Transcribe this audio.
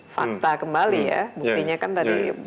fakta kembali ya buktinya kan tadi